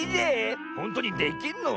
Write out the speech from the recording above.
ほんとにできんの？